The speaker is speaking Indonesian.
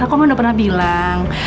aku mah udah pernah bilang